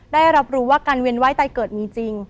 ได้รับรู้ว่าการเวียนไหว้ไตเกิดมีจริง